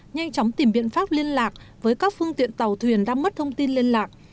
nhanh chóng tìm biện pháp liên lạc với các phương tiện tàu thuyền đang mất thông tin liên lạc